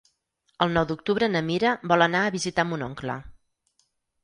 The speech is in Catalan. El nou d'octubre na Mira vol anar a visitar mon oncle.